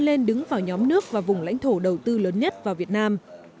lên đứng vào nhóm nước và vùng lãnh thổ đầu tư lớn nhất vào việt nam